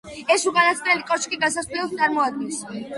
ეს უკანასკნელი კოშკში გასასვლელს წარმოადგენს.